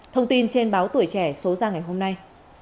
thông tin trên báo tuổi trẻ số ra ngày hôm nay